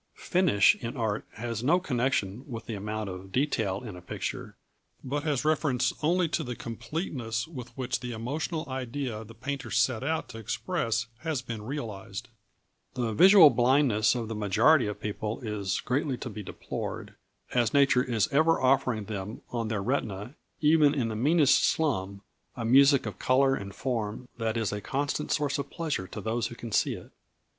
Finish in art has no connection with the amount of detail in a picture, but has reference only to the completeness with which the emotional idea the painter set out to express has been realised. [Illustration: Plate VIII. STUDY FOR A PICTURE In red conté chalk and white pastel rubbed on toned paper.] The visual blindness of the majority of people is greatly to be deplored, as nature is ever offering them on their retina, even in the meanest slum, a music of colour and form that is a constant source of pleasure to those who can see it.